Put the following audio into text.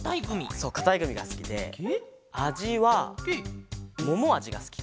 そうかたいグミがすきであじはももあじがすきかな。